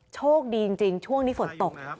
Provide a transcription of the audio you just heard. โชคดีจริงช่วงนี้ฝนตก